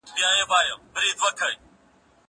هغه وويل چي ليکلي پاڼي مهم دي!؟